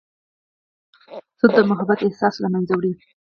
سود د محبت احساس له منځه وړي.